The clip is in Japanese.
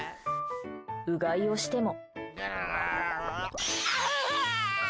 うがいをしても。